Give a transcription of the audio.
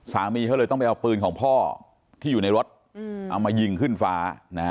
สามีเขาเลยต้องไปเอาปืนของพ่อที่อยู่ในรถเอามายิงขึ้นฟ้า